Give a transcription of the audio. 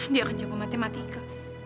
dia kerja buat matematika